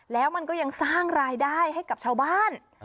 แล้วมันก็ยังสร้างรายได้ให้กับชาวบ้าน